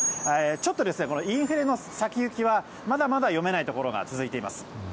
ちょっとインフレの先行きはまだまだ読めないところが続いています。